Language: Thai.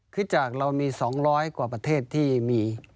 คือจากเรามี๒๐๐กว่าประเทศที่มี